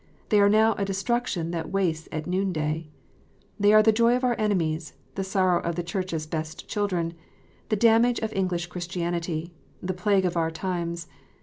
They are now a destruction that wastes in noonday. They are the joy of our enemies, the sorrow of the Church s best children, the damage of English Christianity, the plague of our times.